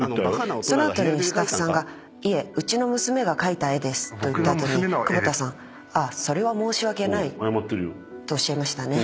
その後にスタッフさんが「いえうちの娘が描いた絵です」と言った後に久保田さん「それは申し訳ない」とおっしゃいましたね。